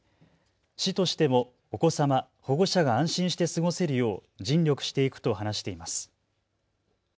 市としてもお子様、保護者が安心して過ごせるよう尽力していくと話しています。